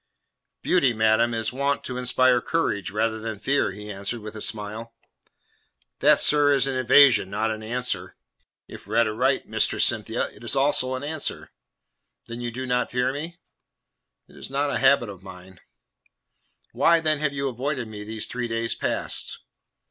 "Beauty, madam, is wont to inspire courage rather than fear," he answered, with a smile. "That, sir, is an evasion, not an answer." "If read aright, Mistress Cynthia, it is also an answer." "That you do not fear me?" "It is not a habit of mine." "Why, then, have you avoided me these three days past?"